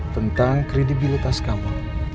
tentang kredibilitas kamu